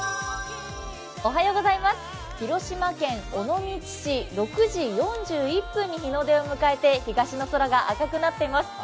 広島県尾道市、６時４１分に日の出を迎えて、東の空が赤くなっています。